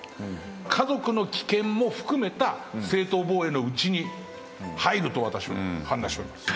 家族の危険も含めた正当防衛のうちに入ると私は判断しております。